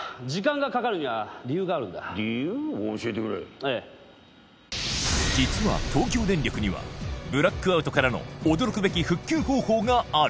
ああ実は東京電力にはブラックアウトからの驚くべき復旧方法がある！